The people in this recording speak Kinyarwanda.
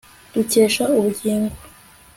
dukesha ubugingo